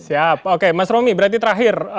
siap oke mas romi berarti terakhir